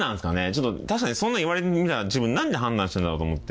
ちょっと確かにそんなん言われてみたら自分なんで判断してんだろうと思って。